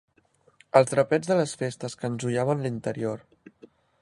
Els drapets de les festes que enjoiaven l'interior